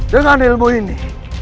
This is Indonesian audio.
dengan ilmu ini